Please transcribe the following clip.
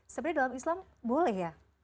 sebenarnya dalam islam boleh ya